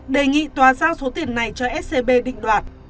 đề nghị tòa giao số tiền này cho scb định đoạt